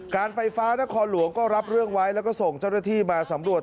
การไฟฟ้านครหลวงก็รับเรื่องไว้แล้วก็ส่งเจ้าหน้าที่มาสำรวจ